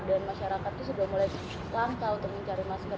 dan masyarakat itu sudah mulai langka untuk mencari masker